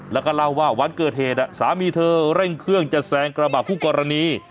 แล้วก็เล่าว่าวันเกิดเหตุสามีเธอเร่งเครื่องจะแซงกระบะคู่กรณี